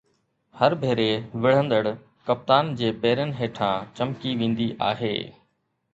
هر ڀيري وڙهندڙ ڪپتان جي پيرن هيٺان چمڪي ويندي آهي.